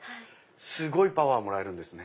すごいパワーもらえるんですね。